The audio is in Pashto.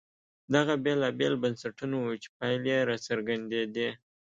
دغه بېلابېل بنسټونه وو چې پایلې یې راڅرګندېدې.